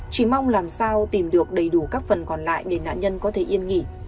chỉ mong làm sao tìm được đầy đủ các phần còn lại để nạn nhân có thể yên nghỉ